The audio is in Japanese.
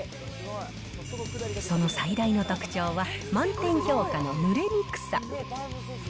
その最大の特徴は、満点評価のぬれにくさ。